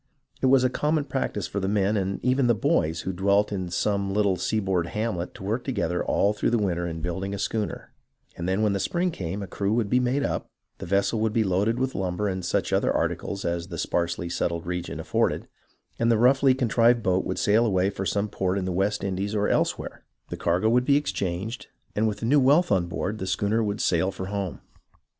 It was a common practice for the men, and even the boys, who dwelt in some little seaboard hamlet to work together all through the winter in building a schooner, and then when the spring came, a crew would be made up, the vessel would be loaded with lumber and such other articles as the sparsely settled region afforded, and the roughly con trived boat would sail away for some port in the West Indies or elsewhere, the cargo would be exchanged, and with the new wealth on board, the schooner would sail for home.